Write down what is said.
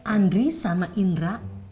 andri sama indra